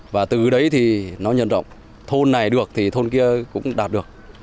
và từ đấy thì nó nhân rộng thôn này được thì thôn kia cũng đạt được